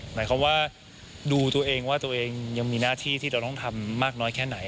หมายความว่าดูตัวเองว่าตัวเองยังมีหน้าที่ที่เราต้องทำมากน้อยแค่ไหน